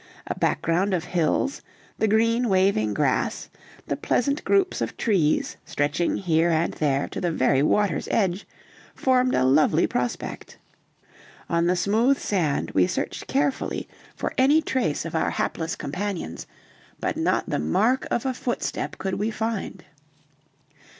A background of hills, the green waving grass, the pleasant groups of trees stretching here and there to the very water's edge, formed a lovely prospect. On the smooth sand we searched carefully for any trace of our hapless companions, but not the mark of a footstep could we find.